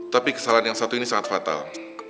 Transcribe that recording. tapi kesalahan yang satu ini sangat fatal